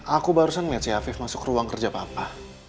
aku barusan melihat si afif masuk ruang kerja papa